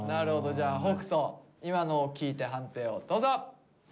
じゃあ北斗今のを聞いて判定をどうぞ。